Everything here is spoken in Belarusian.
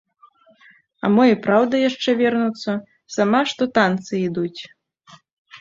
А мо і праўда яшчэ вярнуцца, сама што танцы ідуць.